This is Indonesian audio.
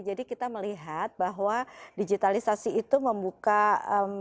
jadi kita melihat bahwa digitalisasi itu membuka batasnya